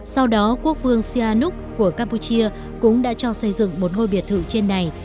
sau đó quốc vương sianuk của campuchia cũng đã cho xây dựng một hôi biệt thự trên này